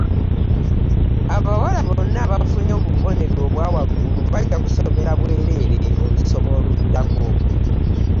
Abawala bonna abaffunye obubonero obwawaggulu bajja kusomera bwerele olusoma olunaddako.